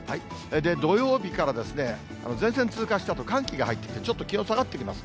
土曜日から前線通過したあと、寒気が入ってきて、ちょっと気温下がってきます。